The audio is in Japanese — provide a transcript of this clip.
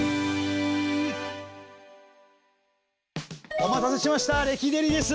お待たせしましたレキデリです。